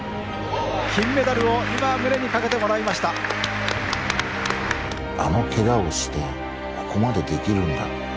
金メダルを今、胸にかけてもらいあのけがをして、ここまでできるんだ。